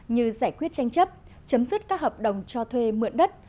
như giải quyết tranh chấp chấm dứt các hợp đồng cho thuê mượn đất